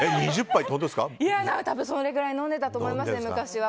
それぐらい飲んでたと思います、昔は。